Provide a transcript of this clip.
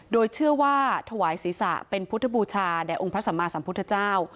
โดยเชื่อว่าถวายศีรษะเป็นพุทธบูชาแด่องค์พระสัมมาสัมพุทธเจ้า